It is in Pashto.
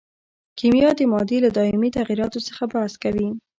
کیمیا د مادې له دایمي تغیراتو څخه بحث کوي.